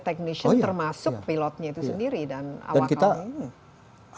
technician termasuk pilotnya itu sendiri dan awak awak